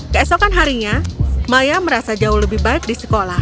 keesokan maroh merasa seimbang